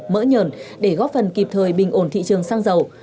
mỡ nhờn để góp phần kịp thời bình ổn thị trường xăng dầu